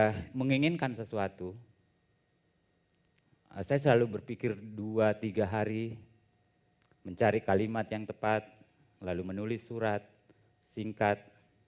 saya menginginkan sesuatu saya selalu berpikir dua tiga hari mencari kalimat yang tepat lalu menulis surat singkat